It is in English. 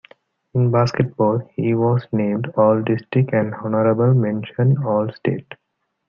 In basketball, he was named All-District and Honorable-mention All-state.